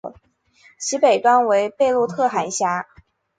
其北端为贝洛特海峡。